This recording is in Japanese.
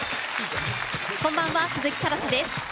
こんばんは、鈴木新彩です。